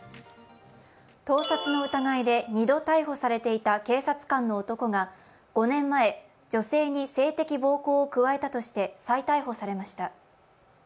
盗撮の疑いで２度逮捕されていた警察官の男が５年前、女性に性的暴行を加えたとして、再逮捕されました。